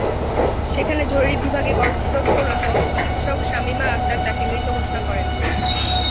সেখানে জরুরি বিভাগে কর্তব্যরত চিকিৎসক শামীমা আক্তার তাঁকে মৃত ঘোষণা করেন।